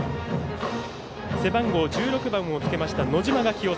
背番号１６番をつけました野嶋が起用。